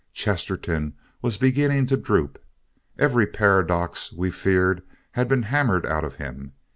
Chesterton was beginning to droop. Every paradox, we feared, had been hammered out of him.